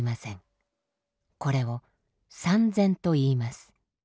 これを参禅といいます。